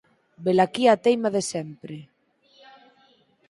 Velaquí a teima de sempre: